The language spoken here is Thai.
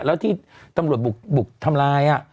แล้วที่ตำรวจบุกทำลาย